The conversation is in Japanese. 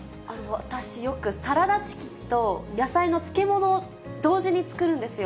私、よくサラダチキンと野菜の漬物を同時に作るんですよ。